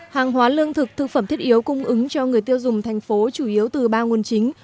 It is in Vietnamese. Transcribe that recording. hàng hóa lương thực thực phẩm thiết yếu cung ứng cho người tiêu dùng thành phố chủ yếu từ ba nguồn chính